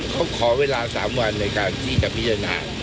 เขาขอเวลา๓วันในการที่จะพิจารณา